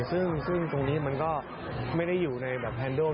ซึ่งตรงนี้มันก็ไม่ได้อยู่ในแบบแฮนโด